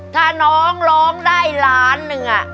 ถ้าน้องร้องได้ล้านหนึ่ง